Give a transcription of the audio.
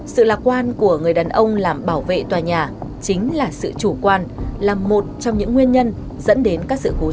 sự lạc quan của người đàn ông làm bảo vệ tòa nhà chính là sự chủ quan là một trong những nguyên nhân dẫn đến các sự cố cháy nổ